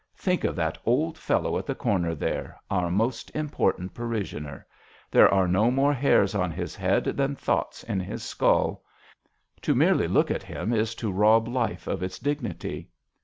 Think of that old fellow at the corner there, our most important parishioner. There are no more hairs on his head than thoughts in his skull. To merely look at him is to rob life of its dignity.